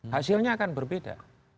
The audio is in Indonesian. hasilnya akan berbeda